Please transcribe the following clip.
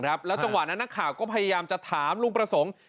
แล้วจังหวะนั้นนักข่าวก็พยายามจะถามลุงประสงค์